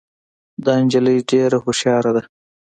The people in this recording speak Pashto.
دا جینۍ ډېره هوښیاره ده